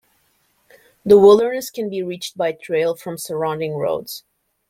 The wilderness can be reached by trail from surrounding roads.